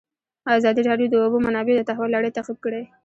ازادي راډیو د د اوبو منابع د تحول لړۍ تعقیب کړې.